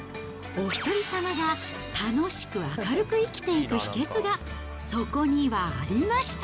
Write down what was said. お一人様が、楽しく明るく生きていく秘けつがそこにはありました。